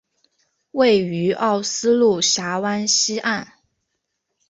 位于奥斯陆峡湾西岸。